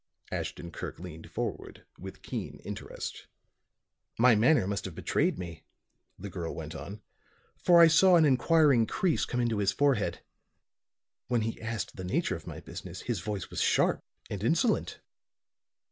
Ashton Kirk leaned forward with keen interest. "My manner must have betrayed me," the girl went on, "for I saw an inquiring crease come into his forehead. When he asked the nature of my business his voice was sharp and insolent.